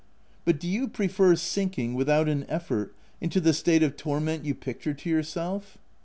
But do you prefer sinking, with out an effort, into the state of torment you picture to yourself?"